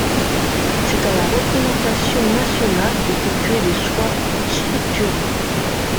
C’est à la représentation nationale d’effectuer des choix structurants.